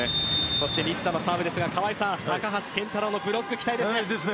そして西田のサーブですが高橋健太郎のブロック期待ですね。